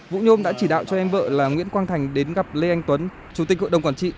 vũ nhôm đã chỉ đạo cho em vợ là nguyễn quang thành đến gặp lê anh tuấn chủ tịch hội đồng quản trị